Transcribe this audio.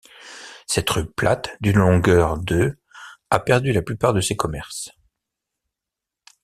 Cette rue plate d'une longueur de a perdu la plupart de ses commerces.